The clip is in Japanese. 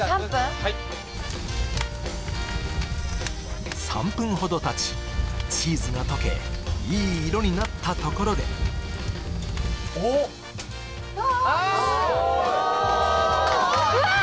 はい３分ほどたちチーズが溶けいい色になったところでうわーっ！